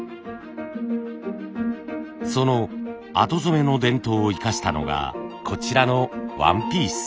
その後染めの伝統を生かしたのがこちらのワンピース。